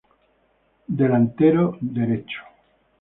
Delantero derecho.